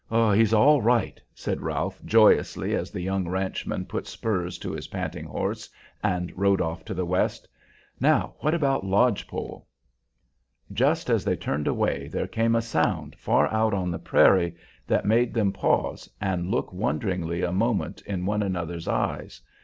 "He's all right!" said Ralph, joyously, as the young ranchman put spurs to his panting horse and rode off to the west. "Now, what about Lodge Pole?" Just as they turned away there came a sound far out on the prairie that made them pause and look wonderingly a moment in one another's eyes.